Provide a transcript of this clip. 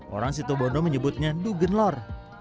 orang situbondo menyebutnya dugen lor